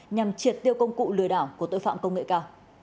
nhằm triệt tiêu công cụ lừa đảo của tội phạm công nghệ cao